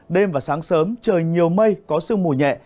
đêm và sáng sớm trời nhiều mây có sương mù nhẹ